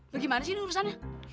bagaimana sih ini urusannya